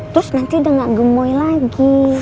terus nanti udah gak gemoy lagi